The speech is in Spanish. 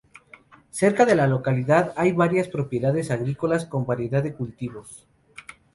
Cerca de la localidad hay varias propiedades agrícolas, con variedad de cultivos.